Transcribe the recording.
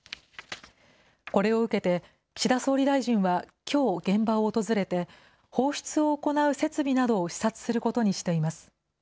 これを受けて、岸田総理大臣はきょう、現場を訪れて、放出を行う設備などを視察することにしています。